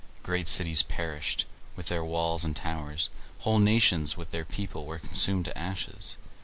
Great cities perished, with their walls and towers; whole nations with their people were consumed to ashes!